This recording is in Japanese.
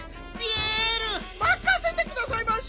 まかせてくださいまし。